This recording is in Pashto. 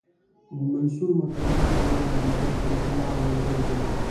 منثور متلونه دوه ډوله دي بشپړه جمله او نیمګړې جمله